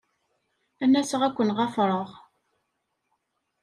Ad n-aseɣ ad ken-ɣafṛeɣ.